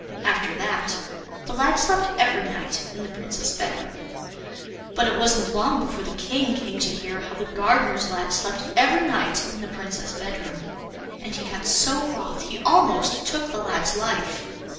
] After that the lad slept every night in the Princess' bedroom. But it wasn't long before the King came to hear how the gardener's lad slept every night in the Princess' bedroom; and he got so wroth he almost took the lad's life.